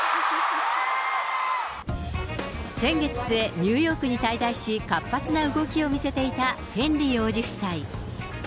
先月末、ニューヨークに滞在し、活発な動きを見せていたヘンリー王子夫妻。